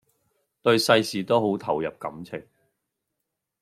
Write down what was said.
對世事都好投入感情⠀